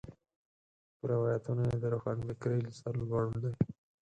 پر روایتونو یې د روښنفکرۍ سر لوړ دی.